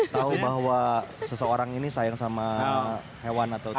tahu bahwa seseorang ini sayang sama hewan atau tidak